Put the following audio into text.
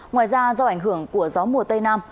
ngoài ra do ảnh hưởng của gió mùa tây nam